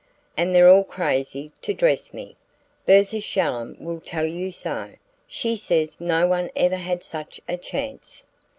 And they're all crazy to dress me Bertha Shallum will tell you so: she says no one ever had such a chance!